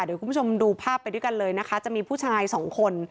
เดี๋ยวคุณผู้ชมดูภาพไปด้วยกันเลยนะคะจะมีผู้ชายสองคน